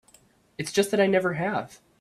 It's just that I never have.